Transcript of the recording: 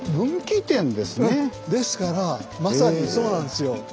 ですからまさにそうなんですよ。